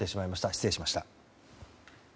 失礼しました。